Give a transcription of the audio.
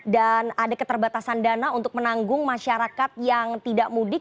dan ada keterbatasan dana untuk menanggung masyarakat yang tidak mudik